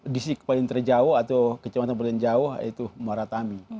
distrik paling terjauh atau kecamatan paling jauh yaitu maratami